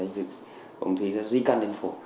thì ung thư di căn đến phổi